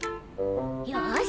よし！